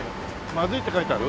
「まずい」って書いてある？